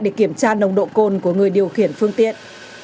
để kiểm tra nồng độ cồn của người điều khiển phương tiện